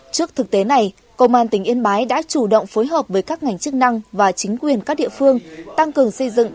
trước thực tế này công an tỉnh yên bái đã chủ động phối hợp với các ngành chức năng và chính quyền các địa phương